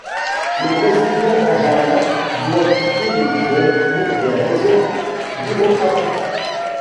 Le brésilien Benjamin doit quitter le club pour des raisons bureaucratiques.